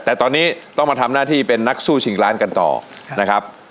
แต่ตอนนี้ต้องมาทำหน้าที่เป็นนักสู้ชิงล้านกันต่อนะครับ